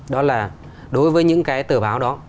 đó là đối với những cái tờ báo đó